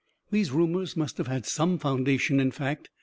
These rumors must have had some foundation in fact.